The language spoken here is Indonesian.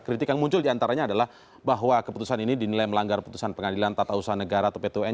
kritik yang muncul diantaranya adalah bahwa keputusan ini dinilai melanggar putusan pengadilan tata usaha negara atau pt un